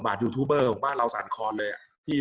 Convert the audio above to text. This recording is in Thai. กับการสตรีมเมอร์หรือการทำอะไรอย่างเงี้ย